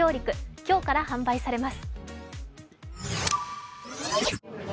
今日から販売されます。